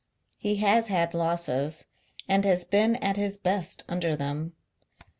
He has had losses, aud has been at his best under them.